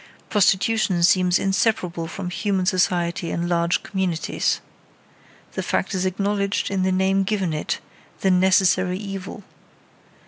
Prostitution seems inseparable from human society in large communities. The fact is acknowledged in the name given it, "the necessary evil."